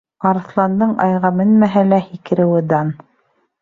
Арыҫландың айға менмәһә лә, һикереүе дан.